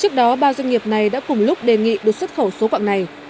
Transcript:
trước đó ba doanh nghiệp này đã cùng lúc đề nghị được xuất khẩu số quạng này